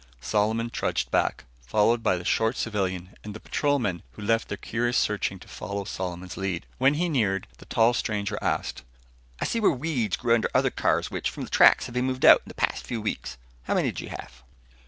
Solomon trudged back, followed by the short civilian and patrolman who left their curious searching to follow Solomon's lead. When he neared, the tall stranger asked, "I see where weeds grew under other cars which, from the tracks, have been moved out in the past few weeks. How many did you have?"